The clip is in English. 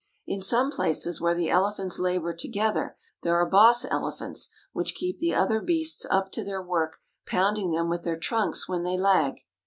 In some places where the elephants labor together there are boss elephants which keep the other beasts up to their work pounding them with their trunks when they lag.